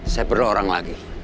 saya perlu orang lagi